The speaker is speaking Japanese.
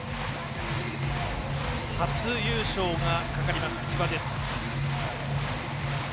初優勝がかかります千葉ジェッツ。